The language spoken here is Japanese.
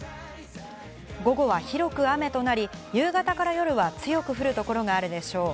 午後は広く雨となり、夕方から夜は強く降る所があるでしょう。